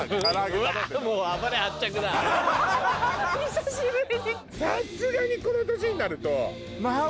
久しぶりに。